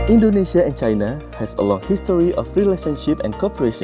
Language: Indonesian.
indonesia dan china memiliki sejarah yang panjang dari hubungan dan korporasi